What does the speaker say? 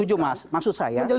setuju mas maksud saya